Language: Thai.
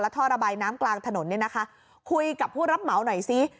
และท่อระบายน้ำกลางถนนคุยกับผู้รับเหมาหน่อยสิ